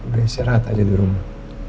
baik siar hat aja di rumah